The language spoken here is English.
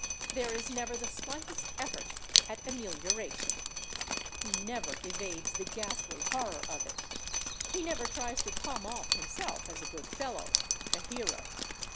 There is never the slightest effort at amelioration; he never evades the ghastly horror of it; he never tries to palm off himself as a good fellow, a hero.